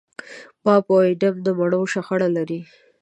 باب او اېډم د مڼو شخړه لري.